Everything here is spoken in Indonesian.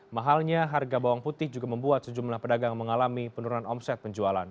mahalnya harga bawang putih juga membuat sejumlah pedagang mengalami penurunan omset penjualan